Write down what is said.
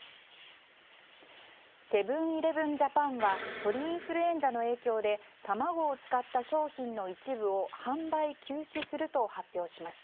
セブン‐イレブン・ジャパンは鳥インフルエンザの影響で卵を使った商品の一部を販売休止すると発表しました。